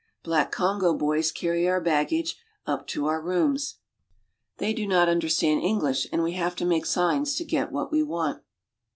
lack Kongo boys carry our baggage up to our rooms; 228 they do not understand English, and we have to make signs to get what we want.